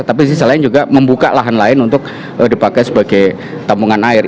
tapi di sisi lain juga membuka lahan lain untuk dipakai sebagai tampungan air